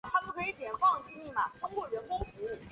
檬果樟为樟科檬果樟属下的一个种。